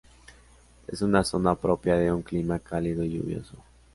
Es una zona propia de un clima cálido y lluvioso.